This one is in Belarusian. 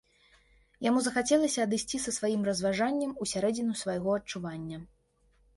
Яму захацелася адысці са сваім разважаннем усярэдзіну свайго адчування.